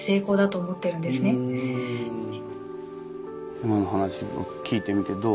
今の話聞いてみてどう？